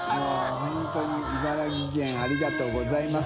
本当に茨城県ありがとうございます。